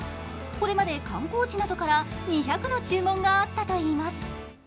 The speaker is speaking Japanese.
これまで観光地などから２００の注文があったといいます。